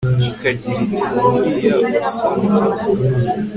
ikagira iti 'ni uriya usansaba'